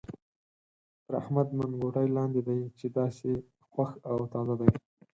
تر احمد منګوټی لاندې دی چې داسې خوښ او تازه دی.